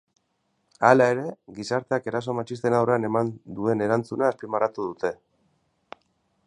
Hala ere, gizarteak eraso matxisten aurrean eman duen erantzuna azpimarratu dute.